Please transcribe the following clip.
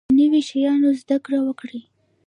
د نوي شیانو زده کړه وکړئ